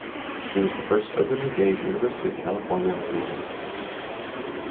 He was the first openly gay University of California Regent.